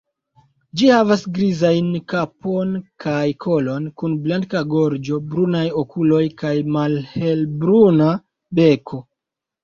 Ĝi havas grizajn kapon kaj kolon, kun blanka gorĝo, brunaj okuloj kaj malhelbruna beko.